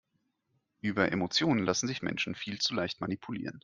Über Emotionen lassen sich Menschen viel zu leicht manipulieren.